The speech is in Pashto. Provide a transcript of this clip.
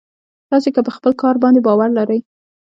تاسې که په خپل کار باندې باور لرئ.